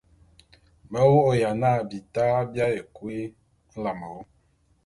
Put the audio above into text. Me vô'ôya na bita bi aye kui nlame wu.